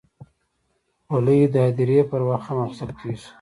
خولۍ د هدیرې پر وخت هم اغوستل کېږي.